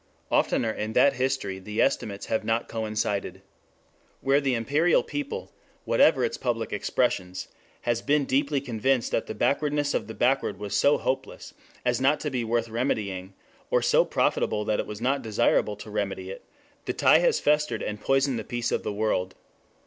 Oftener in that history the estimates have not coincided. Where the imperial people, whatever its public expressions, has been deeply convinced that the backwardness of the backward was so hopeless as not to be worth remedying, or so profitable that it was not desirable to remedy it, the tie has festered and poisoned the peace of the world.